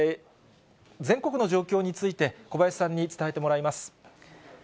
全国の状況について、小林さんに伝えてもらいます。